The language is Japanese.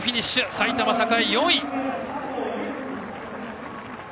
埼玉栄、４位！